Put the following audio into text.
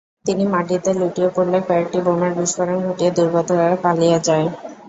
তিনি মাটিতে লুটিয়ে পড়লে কয়েকটি বোমার বিস্ফোরণ ঘটিয়ে দুর্বৃত্তরা পালিয়ে যায়।